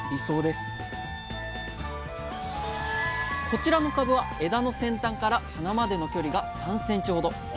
こちらの株は枝の先端から花までの距離が３ｃｍほど。